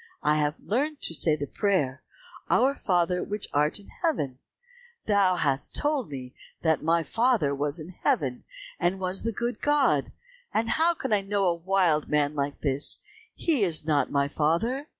I have learnt to say the prayer, 'Our Father, which art in Heaven,' thou hast told me that my father was in Heaven, and was the good God, and how can I know a wild man like this? He is not my father."